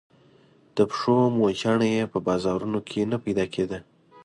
د پښو موچڼه يې په بازارونو کې نه پيدا کېده.